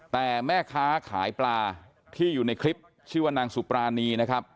แต่แม่ค้าขายปลาที่อยู่ในคลิปชื่อว่านางสุปรานีนะครับ